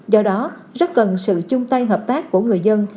do đó rất cần sự chung tay hợp tác của người dân